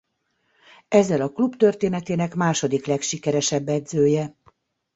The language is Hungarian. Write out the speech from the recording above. Ezzel a klub történetének második legsikeresebb edzője.